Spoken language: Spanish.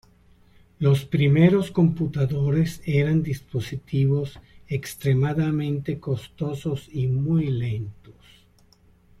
Los primeros computadores eran dispositivos extremadamente costosos y muy lentos.